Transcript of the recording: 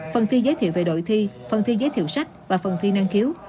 phần thi giới thiệu về đội thi phần thi giới thiệu sách và phần thi năng khiếu